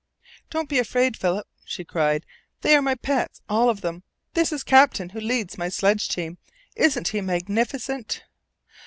"Don't be afraid, Philip!" she cried. "They are my pets all of them. This is Captain, who leads my sledge team. Isn't he magnificent?"